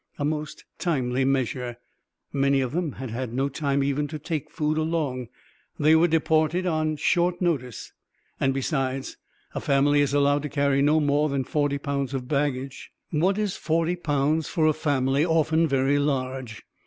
A most timely measure! Many of them had had no time even to take food along; they were deported on short notice, and, besides, a family is allowed to carry no more than forty pounds of luggage. What is forty pounds for a family often very large?